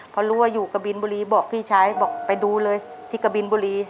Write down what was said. พอรู้ว่าอยู่กะบินบุรีบอกพี่ชายบอกไปดูเลยที่กะบินบุรี